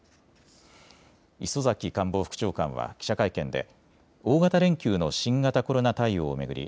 磯崎官房副長官は記者会見で大型連休の新型コロナ対応を巡り